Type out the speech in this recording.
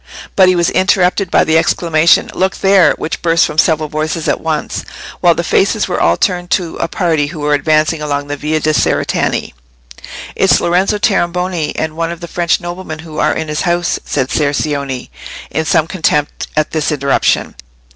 But he was interrupted by the exclamation, "Look there!" which burst from several voices at once, while the faces were all turned to a party who were advancing along the Via de' Cerretani. "It's Lorenzo Tornabuoni, and one of the French noblemen who are in his house," said Ser Cioni, in some contempt at this interruption.